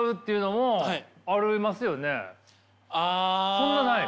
そんなない？